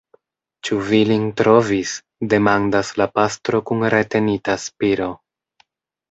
Ĉu vi lin trovis?demandas la pastro kun retenita spiro.